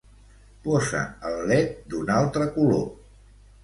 Posa el led d'un altre color.